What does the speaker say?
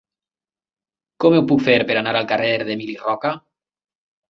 Com ho puc fer per anar al carrer d'Emili Roca?